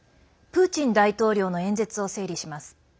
プーチン大統領の演説を整理します。